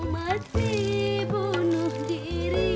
masih bunuh diri